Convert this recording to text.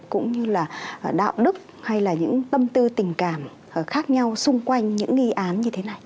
cũng như là đạo đức hay là những tâm tư tình cảm khác nhau xung quanh những nghi án như thế này